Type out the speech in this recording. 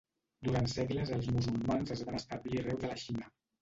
Durant segles els musulmans es van establir arreu de la Xina.